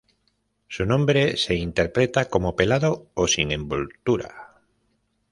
Su nombre se interpreta como ""Pelado o Sin Envoltura"".